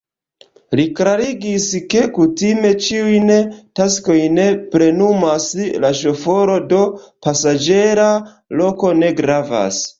Li klarigis, ke kutime ĉiujn taskojn plenumas la ŝoforo, do pasaĝera loko ne gravas.